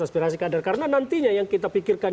aspirasi kader karena nantinya yang kita pikirkan